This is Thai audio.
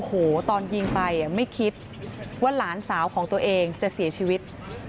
โอ้โหตอนยิงไปไม่คิดว่าหลานสาวของตัวเองจะเสียชีวิต